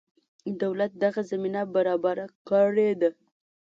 دولت دغه زمینه برابره کړې ده.